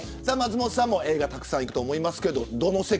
松本さんも映画たくさん行くと思いますけど。